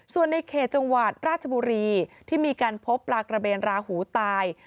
ส่วนในเขตจังหวัดราชบุรีที่มีการพบปลากระเบนราหูตาย